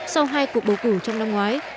sau hai cuộc bố củ trong năm ngoái